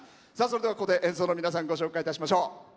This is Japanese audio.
それでは、ここで演奏の皆さんご紹介いたしましょう。